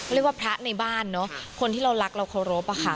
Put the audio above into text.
เรียกว่าพระในบ้านเนอะคนที่เรารักเราเคารพอะค่ะ